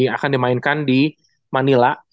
akan dimainkan di manila